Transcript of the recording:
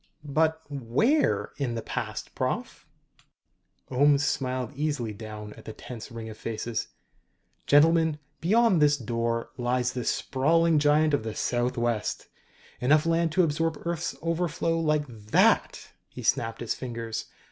"But, where in the past, Prof.?" Ohms smiled easily down at the tense ring of faces. "Gentlemen, beyond this door lies the sprawling giant of the Southwest enough land to absorb Earth's overflow like that!" He snapped his fingers.